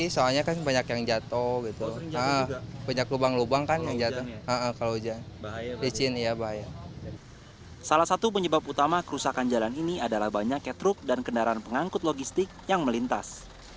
salah satu penyebab utama kerusakan jalan ini adalah banyaknya truk dan kendaraan pengangkut logistik yang melintas